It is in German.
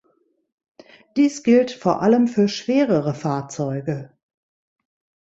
Dies gilt vor allem für schwerere Fahrzeuge.